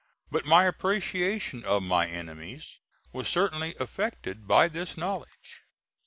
But my appreciation of my enemies was certainly affected by this knowledge.